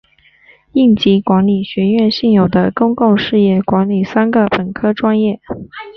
应急管理学院现有公共事业管理三个本科专业。